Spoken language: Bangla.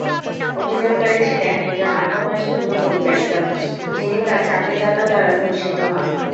অভিযোগকারী ছিলেন একজন অল্প বয়সী গৃহপরিচারিকা, যিনি তাঁর চাকরিদাতা দ্বারা ধর্ষিত হন।